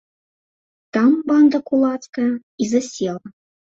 Там банда кулацкая і засела.